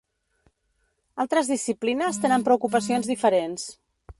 Altres disciplines tenen preocupacions diferents.